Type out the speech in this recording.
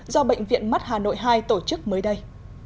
do bệnh viện mắt hà nội hai tổ chức mới đây